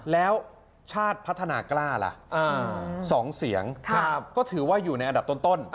แล้วชาติพัฒนากล้าล่ะ๒เสียงก็ถือว่าอยู่ในอันดับต้น